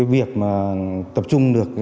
việc tập trung được